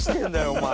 お前。